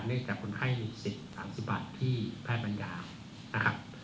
เนื่องจากคนไข้มีสิทธิ์๓๐บาทที่แพทย์ปัญญานะครับ